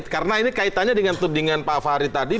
karena ini kaitannya dengan tudingan pak fahri tadi